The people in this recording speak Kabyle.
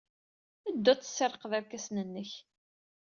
Ddu ad tessirrqed irkasen-nnek!